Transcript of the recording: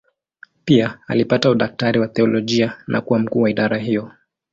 Pia alipata udaktari wa teolojia na kuwa mkuu wa idara hiyo.